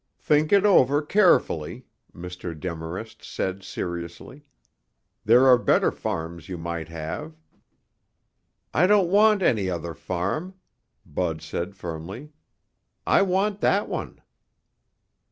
"Think it over carefully," Mr. Demarest said seriously. "There are better farms you might have." "I don't want any other farm," Bud said firmly. "I want that one."